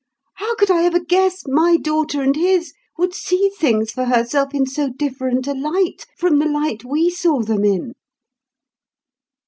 How could I ever guess my daughter and his would see things for herself in so different a light from the light we saw them in?"